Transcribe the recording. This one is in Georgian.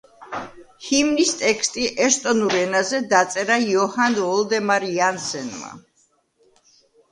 ჰიმნის ტექსტი ესტონურ ენაზე დაწერა იოჰან ვოლდემარ იანსენმა.